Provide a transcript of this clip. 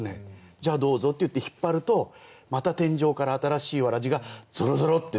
じゃあどうぞ」って言って引っ張るとまた天井から新しいわらじがぞろぞろって出てくる。